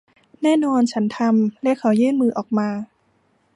แน่นอนฉันทำ และเขายื่นมือออกมา